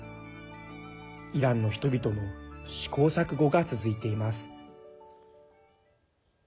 イランの人々の試行錯誤が続いています。